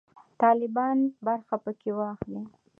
طالبان برخه پکښې واخلي.